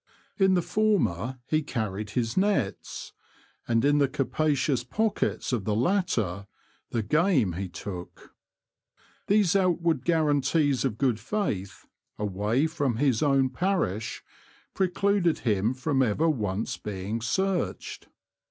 In the former he carried his nets, and in the capa cious pockets of the latter the game he took. These outward guarantees of good faith, away from his own parish, precluded him from ever once being searched.